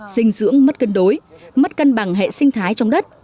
dinh dưỡng mất cân đối mất cân bằng hệ sinh thái trong đất